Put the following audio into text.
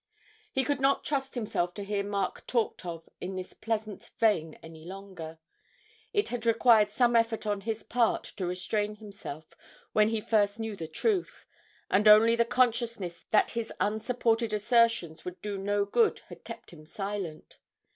He could not trust himself to hear Mark talked of in this pleasant vein any longer. It had required some effort on his part to restrain himself when he first knew the truth, and only the consciousness that his unsupported assertions would do no good had kept him silent.